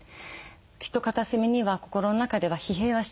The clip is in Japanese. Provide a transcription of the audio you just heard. きっと片隅には心の中では疲弊はしていたと思います。